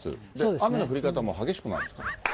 雨の降り方も激しくなるんですか？